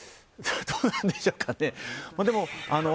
どうなんでしょうかね。